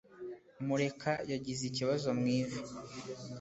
mureka yagize ikibazo mw’ivi